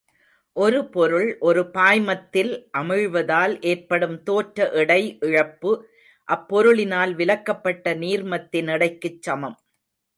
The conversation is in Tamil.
ஒரு பொருள் ஒரு பாய்மத்தில் அமிழ்வதால் ஏற்படும் தோற்ற எடை இழப்பு, அப்பொருளினால் விலக்கப்பட்ட நீர்மத்தின் எடைக்குச் சமம்.